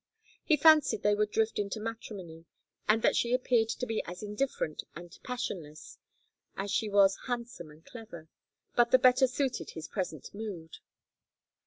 He fancied they would drift into matrimony; and that she appeared to be as indifferent and passionless as she was handsome and clever but the better suited his present mood.